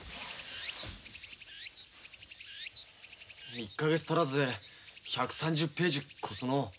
１か月足らずで１３０ページ超すのう。